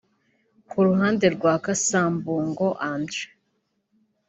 Ku ruhande rwa Cassa Mbungo Andre